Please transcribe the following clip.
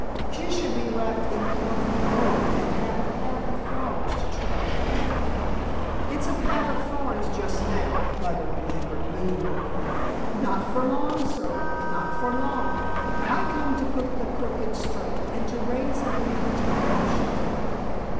She should be wrapped in cloth of gold and have a path of flowers to tread upon." "It's a path of thorns just now," muttered Lambert moodily. "Not for long, sir; not for long. I come to put the crooked straight and to raise a lamp to banish the dark.